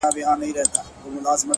خدايه سندرو کي مي ژوند ونغاړه!